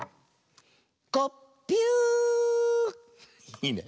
いいね。